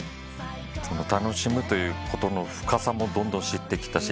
楽しむということの深さもどんどん知ってきたし。